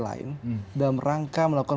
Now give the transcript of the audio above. lain dalam rangka melakukan